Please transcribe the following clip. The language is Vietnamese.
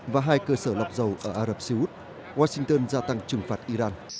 và hai cơ sở lọc dầu ở ả rập xê út washington gia tăng trừng phạt iran